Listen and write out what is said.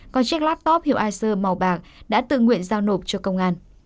còn chiếc laptop hiệu iser màu bạc đã tự nguyện giao nộp cho công an